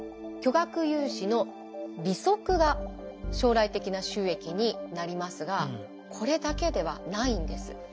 巨額融資の利息が将来的な収益になりますがこれだけではないんです。